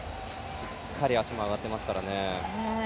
しっかり足も上がってますからね。